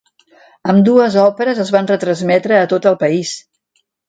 Ambdues òperes es van retransmetre a tot el país.